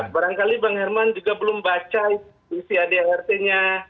barangkali bang herman juga belum baca isi anggaran dasarnya